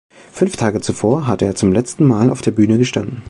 Fünf Tage zuvor hatte er zum letzten Mal auf der Bühne gestanden.